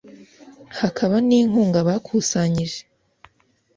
hakaba n’inkunga bakusanyije